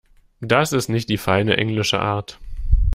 Das ist nicht die feine englische Art.